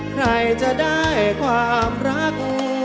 ใครจะได้ความรัก